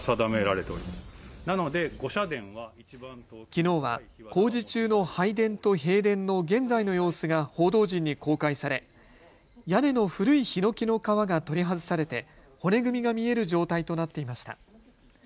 きのうは工事中の拝殿と幣殿の現在の様子が報道陣に公開され屋根の古いひのきの皮が取り外されて骨組みが見える状態となっていました。